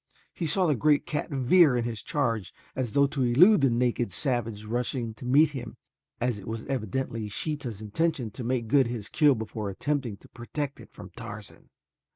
He saw the great cat veer in his charge as though to elude the naked savage rushing to meet him, as it was evidently Sheeta's intention to make good his kill before attempting to protect it from Tarzan.